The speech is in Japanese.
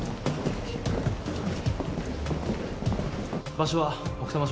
場所は奥多摩署